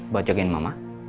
buat jagain mama